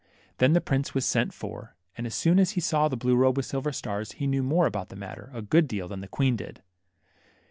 Then the prince was sent for ; and as soon as he saw the blue robe with silver stars, he knew more about the matter, a good deal, than the queen did.